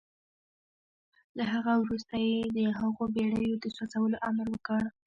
له هغه وروسته يې د هغو بېړيو د سوځولو امر وکړ.